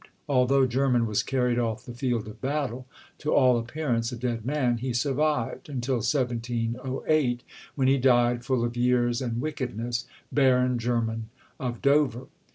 Although Jermyn was carried off the field of battle, to all appearance a dead man, he survived until 1708 when he died, full of years and wickedness, Baron Jermyn of Dover.